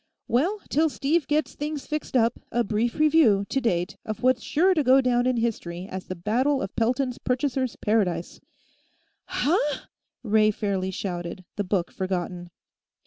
"Well, till Steve gets things fixed up, a brief review, to date, of what's sure to go down in history as the Battle of Pelton's Purchasers' Paradise " "Huh?" Ray fairly shouted, the book forgotten.